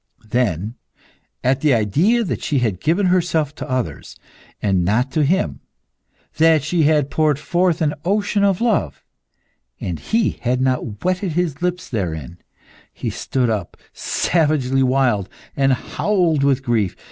Then, at the idea that she had given herself to others, and not to him; that she had poured forth an ocean of love, and he had not wetted his lips therein, he stood up, savagely wild, and howled with grief.